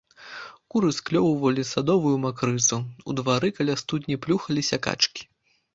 Куры склёўвалі садовую макрыцу, у двары каля студні плюхаліся качкі.